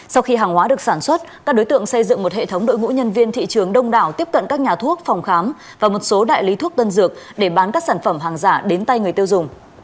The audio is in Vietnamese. sau khi hàng hóa được sản xuất các đối tượng xây dựng một hệ thống đội ngũ nhân viên thị trường đông đảo tiếp cận các nhà thuốc phòng khám và một số đại lý thuốc tân dược để bán các sản phẩm hàng giả đến tay người tiêu dùng